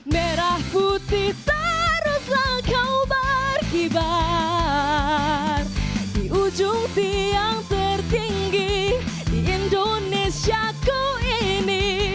merah putih teruslah kau berkibar di ujung siang tertinggi di indonesia ku ini